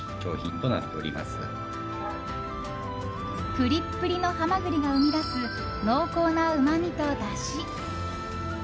プリップリのハマグリが生み出す濃厚なうまみとだし。